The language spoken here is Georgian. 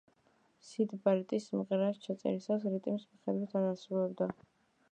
სიდ ბარეტი სიმღერას ჩაწერისას რიტმის მიხედვით არ ასრულებდა.